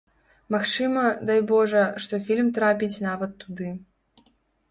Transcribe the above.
Магчыма, дай божа, што фільм трапіць нават туды.